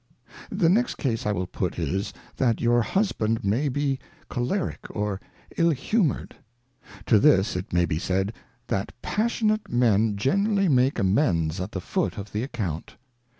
The next Case I will put is that your Husband may be Cholerick or Ill humour'd. To this it may be said. That passionate Men generally make amends at the Foot of the Account.